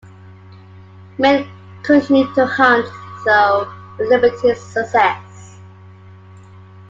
Men continued to hunt, though with limited success.